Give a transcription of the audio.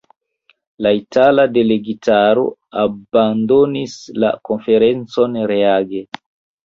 La itala delegitaro abandonis la konferencon reage.